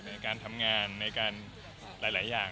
ในการทำงานในการหลายอย่าง